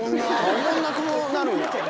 おもんなくなるんや。